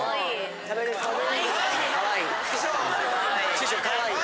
師匠かわいい。